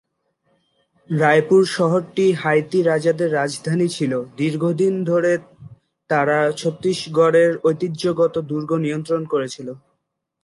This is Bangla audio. রায়পুর শহরটি হাইতি রাজাদের রাজধানী ছিল, দীর্ঘদিন ধরে তারা ছত্তিশগড়ের ঐতিহ্যগত দুর্গ নিয়ন্ত্রণ করেছিল।